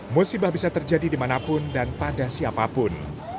musibah bisa terjadi dimanapun dan pada siapapun